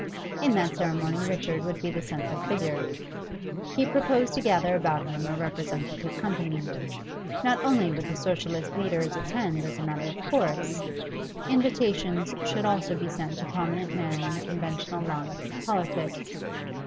In that ceremony Richard would be the central figure. He proposed to gather about him a representative company; not only would the Socialist leaders attend as a matter of course, invitations should also be sent to prominent men in the conventional lines of politics.